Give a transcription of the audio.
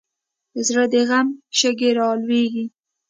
زړه د غم شګې رالوېږي.